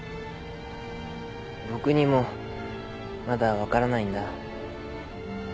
僕にもまだ分からないんだ。